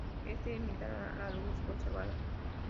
Éste emitiría la luz observada.